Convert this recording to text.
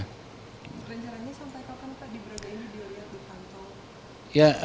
rencananya sampai kapan pak di braga ini di wilayah bukanto